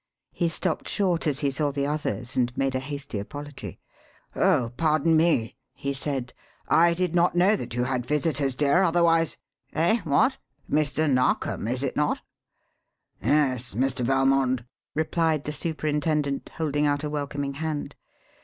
He stopped short as he saw the others and made a hasty apology. "Oh, pardon me," he said. "I did not know that you had visitors, dear, otherwise Eh, what? Mr. Narkom, is it not?" "Yes, Mr. Valmond," replied the superintendent, holding out a welcoming hand.